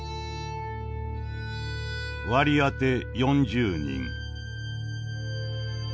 「割り当て４０人」。